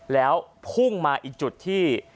แล้วพุ่งมาอีกจุดที่